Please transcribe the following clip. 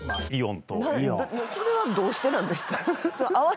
それはどうしてなんですか？